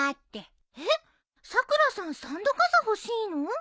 えっさくらさん三度がさ欲しいの？